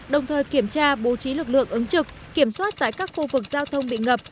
đồng thời kiểm tra bố trí lực lượng ứng trực kiểm soát tại các khu vực giao thông bị ngập